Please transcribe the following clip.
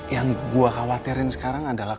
yang gue khawatirin sekarang adalah